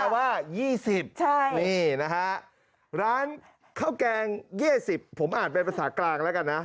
ว่า๒๐นี่นะฮะร้านข้าวแกง๒๐ผมอ่านเป็นภาษากลางแล้วกันนะ